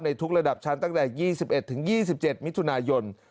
ทุกระดับชั้นตั้งแต่๒๑๒๗มิถุนายน